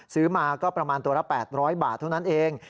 ซื้อมาก็ประมาณตัวละ๘๐๐บาทเท่านั้นเอง